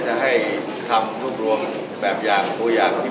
การได้รับความร่วมรู้จากผู้ก็ขอบคุณ